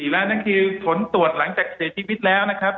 แล้วนั่นคือผลตรวจหลังจากเสียชีวิตแล้วนะครับ